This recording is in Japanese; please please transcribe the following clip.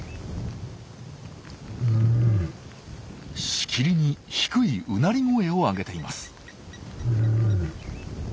しきりに低いうなり声を上げています。